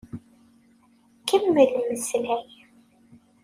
Kemmel mmeslay.